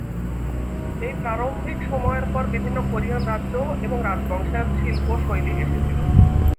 এই প্রারম্ভিক সময়ের পর বিভিন্ন কোরিয়ান রাজ্য এবং রাজবংশের শিল্প শৈলী এসেছিল।